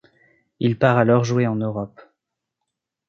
Il part alors jouer en Europe.